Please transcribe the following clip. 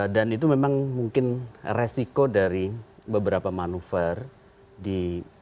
dan itu memang mungkin resiko dari beberapa manuver di